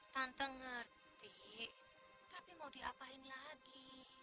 tante ngerti tapi mau diapain lagi